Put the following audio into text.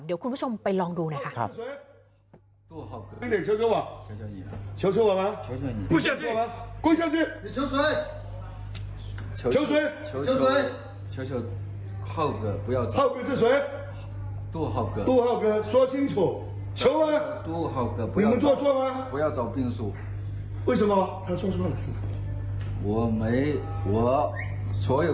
เดี๋ยวคุณผู้ชมไปลองดูหน่อยค่ะ